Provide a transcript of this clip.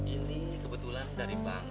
ini kebetulan dari bank